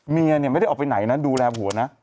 เมียไม่ได้ออกไปไหนนะดูแลหัวนะ